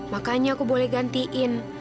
makanya aku boleh gantiin